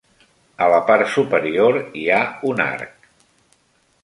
A la part superior hi ha un arc.